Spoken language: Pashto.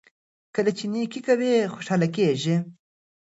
کله چې نیکي کوئ خوشحاله کیږئ.